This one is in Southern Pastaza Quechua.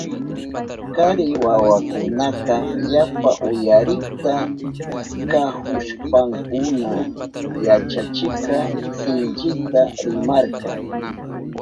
Kari wawakunaka yapa uyarikta kahushpankuna yachachikka sinchita rimarka.